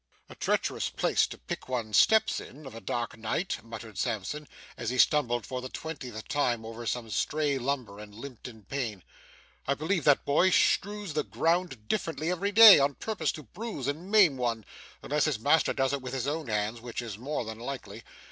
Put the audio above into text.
'A treacherous place to pick one's steps in, of a dark night,' muttered Sampson, as he stumbled for the twentieth time over some stray lumber, and limped in pain. 'I believe that boy strews the ground differently every day, on purpose to bruise and maim one; unless his master does it with his own hands, which is more than likely.